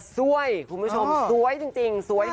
ซวยจริง